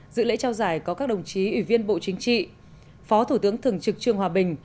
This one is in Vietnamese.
dự lễ trao giải có các đồng chí ủy viên bộ chính trị phó thủ tướng thường trực trương hòa bình